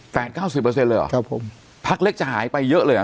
เก้าสิบเปอร์เซ็นเลยเหรอครับผมพักเล็กจะหายไปเยอะเลยอ่ะ